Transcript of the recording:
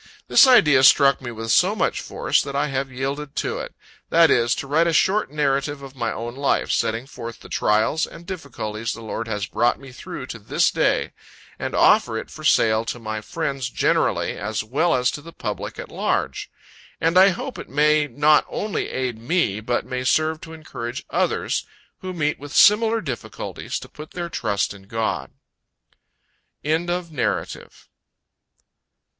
This idea struck me with so much force, that I have yielded to it that is, to write a short Narrative of my own life, setting forth the trials and difficulties the Lord has brought me through to this day, and offer it for sale to my friends generally, as well as to the public at large; and I hope it may not only aid me, but may serve to encourage others, who meet with similar difficulties, to put their trust in God. END OF THE NARRATIVE.